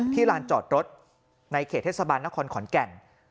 ลานจอดรถในเขตเทศบาลนครขอนแก่น